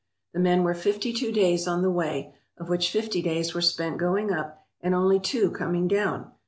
The men were fifty two days on the way, of which fifty days were spent going up and only two coming down.